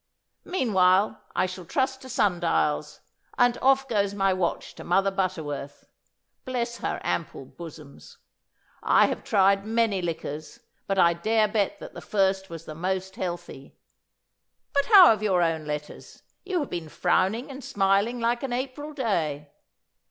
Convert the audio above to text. Meanwhile I shall trust to sun dials, and off goes my watch to Mother Butterworth. Bless her ample bosoms! I have tried many liquors, but I dare bet that the first was the most healthy. But how of your own letters? You have been frowning and smiling like an April day.